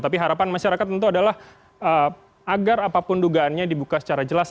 tapi harapan masyarakat tentu adalah agar apapun dugaannya dibuka secara jelas